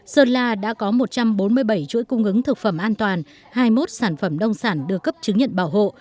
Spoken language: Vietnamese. sơn la đã có một trăm bốn mươi bảy chuỗi cung ứng thực phẩm an toàn hai mươi một sản phẩm nông sản đưa cấp chứng nhận bảo hộ